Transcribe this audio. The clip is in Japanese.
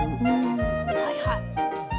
はいはい。